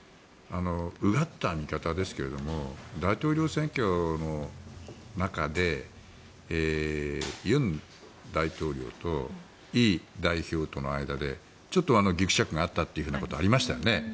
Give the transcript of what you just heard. うがった見方ですが大統領選挙の中で尹大統領とイ代表との間でちょっとぎくしゃくがあったということがありましたよね。